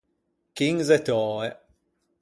Chinze töe.